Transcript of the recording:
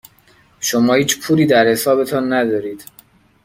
شما هیچ پولی در حسابتان ندارید.